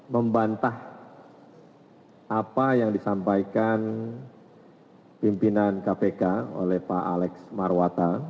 membantah apa yang disampaikan pimpinan kpk oleh pak alex marwata